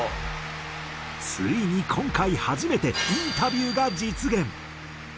ついに今回初めてインタビューが実現！